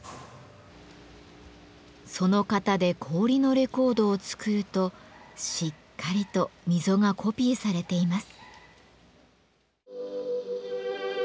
その型で氷のレコードを作るとしっかりと溝がコピーされています。